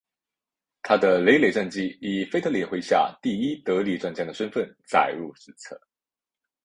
他的累累战绩以腓特烈麾下第一得力战将的身份载入史册。